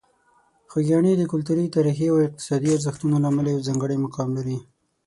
خوږیاڼي د کلتوري، تاریخي او اقتصادي ارزښتونو له امله یو ځانګړی مقام لري.